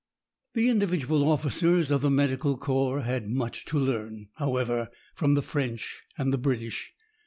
The individual officers of the Medical Corps had much to learn, however, from the French and the British.